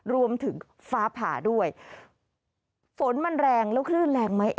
รวมถึงฟ้าผ่าด้วยฝนมันแรงแล้วคลื่นแรงไหม